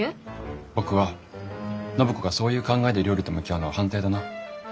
僕は暢子がそういう考えで料理と向き合うのは反対だな。